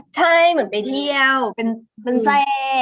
ใช่เหมือนไปเที่ยวเป็นแฟน